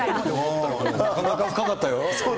なかなか深かったよ。